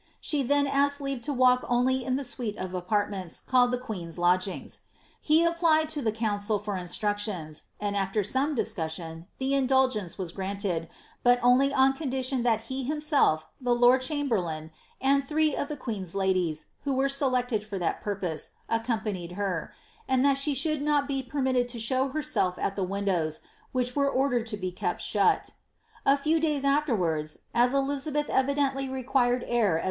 She then asked leave to walk only in the suite of apartments called the queen's lodgings. He applied to the council for instructions, and, after some discussion, the indulgence was granted, but only on condition that hiro (»elf, the lord chamberlain, and three of the queen's ladies, who were Kelected for that purpose, accompanied her, and that she should not be permitted to show herself at the windows, which were ordered to be Jtepi ghuL A few days afterwards, as Elizabevk evuieally required air XLIIABBTH.